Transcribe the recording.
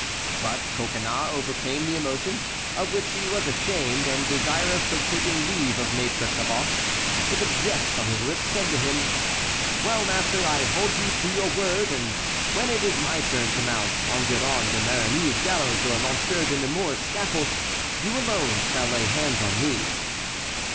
But Coconnas overcame the emotion, of which he was ashamed, and desirous of taking leave of Maître Caboche with a jest on his lips, said to him: "Well, master, I hold you to your word, and when it is my turn to mount Enguerrand de Marigny's gallows or Monsieur de Nemours's scaffold you alone shall lay hands on me."